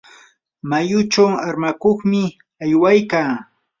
mayuchu armakuqmi aywaykaa.